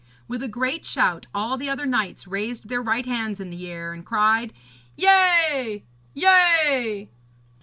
With a great shout all the other knights raised their right hands in the air and cried: 'Yea! yea!'